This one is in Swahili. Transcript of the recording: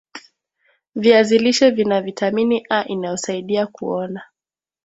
viazi lishe Vina vitamini A inayosaidia kuona